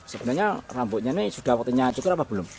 sebenarnya rambutnya ini sudah waktunya cukur apa belum